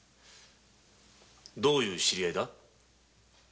どういう知り合いだ？